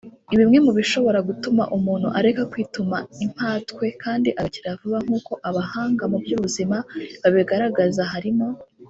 Bimwe mu bishobora gutuma umuntu areka kwituma impatwe kandi agakira vuba nkuko abahanga mu by’ubuzima babigaragaza harimo